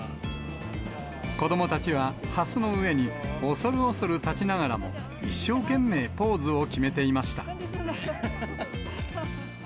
子どもたちはハスの上におそるおそる立ちながらも、一生懸命ポーズを決めていました。